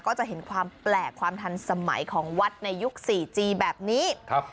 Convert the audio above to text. ก็จะเห็นความแปลกความทันสมัยของวัดในยุคสี่จีแบบนี้ครับ